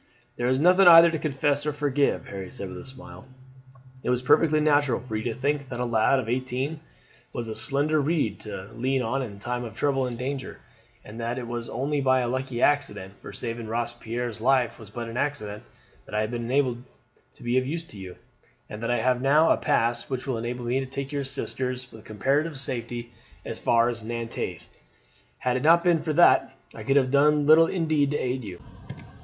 "There is nothing either to confess or forgive," Harry said with a smile. "It was perfectly natural for you to think that a lad of eighteen was a slender reed to lean on in the time of trouble and danger, and that it was only by a lucky accident for saving Robespierre's life was but an accident that I have been enabled to be of use to you; and that I have now a pass which will enable me to take your sisters with comparative safety as far as Nantes. Had it not been for that I could have done little indeed to aid you."